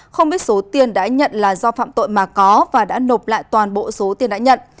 không biết số tiền đã nhận là do phạm tội mà có và đã nộp lại toàn bộ số tiền đã nhận